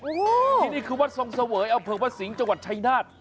โอ้โหที่นี่คือวัดทรงเสวยอำเภอวัดสิงห์จังหวัดชายนาฏ